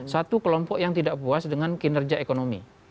satu kelompok yang tidak puas dengan kinerja ekonomi